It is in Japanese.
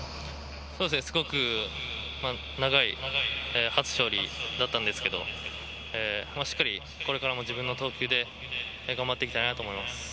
すごく長い初勝利だったんですけど、しっかりこれからも自分の投球で頑張っていきたいなと思います。